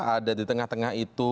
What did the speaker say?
ada di tengah tengah itu